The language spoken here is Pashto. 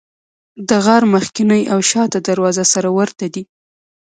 د غار مخکینۍ او شاته دروازه سره ورته دي.